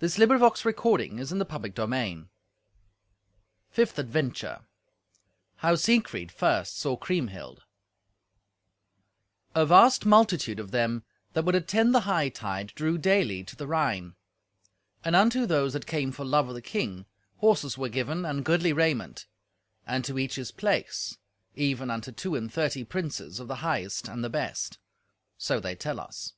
To many of the strangers, also, she gave goodly apparel. Fifth Adventure How Siegfried First Saw Kriemhild A vast multitude of them that would attend the hightide drew daily to the Rhine; and unto those that came for love of the king horses were given and goodly raiment, and to each his place, even unto two and thirty princes of the highest and the best. So they tell us.